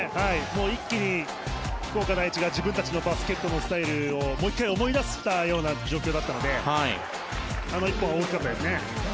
一気に福岡第一が自分たちのバスケットのスタイルをもう１回思い出したような状況だったのであの１本は大きかったですね。